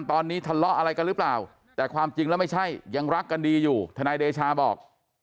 ตอนนี้ทะเลาะอะไรกันหรือเปล่าแต่ความจริงแล้วไม่ใช่ยังรักกันดีอยู่ทนายเดชาบอก